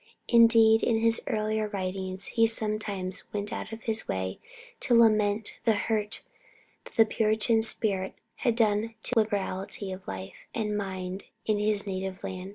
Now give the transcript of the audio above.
Indeed, in his earlier writings he sometimes went out of his way to lament the hurt that the Puritan spirit had done to liberality of life and mind in his native land.